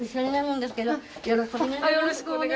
よろしくお願いします。